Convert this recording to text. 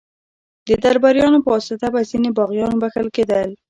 د درباریانو په واسطه به ځینې باغیان بخښل کېدل.